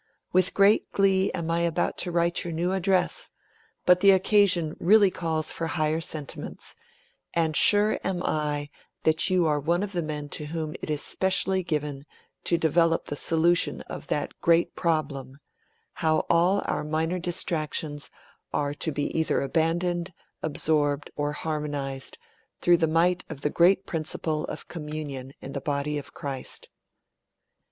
With great glee am I about to write your new address; but, the occasion really calls for higher sentiments; and sure am I that you are one of the men to whom it is specially given to develop the solution of that great problem how all our minor distractions are to be either abandoned, absorbed, or harmonised through the might of the great principle of communion in the body of Christ.'